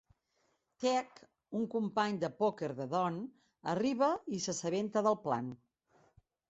Teach, un company de pòquer de Don, arriba i s'assabenta del plan.